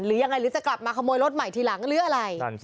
หรือยังไงหรือจะกลับมาขโมยรถใหม่ทีหลังหรืออะไร